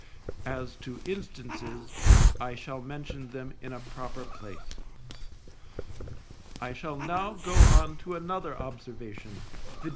As to instances, I shall mention them in a proper place. I shall now go on to another observation, viz.